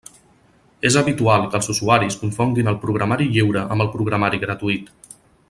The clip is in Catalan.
És habitual que els usuaris confonguin el programari lliure amb el programari gratuït.